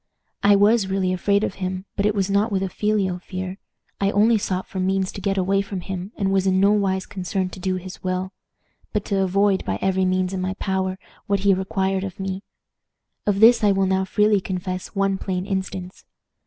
I was really afraid of him, but it was not with a filial fear. I only sought for means to get away from him, and was in no wise concerned to do his will, but to avoid, by every means in my power, what he required of me. Of this I will now freely confess one plain instance.